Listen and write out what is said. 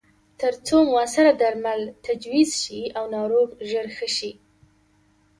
ترڅو موثره درمل تجویز شي او ناروغ ژر ښه شي.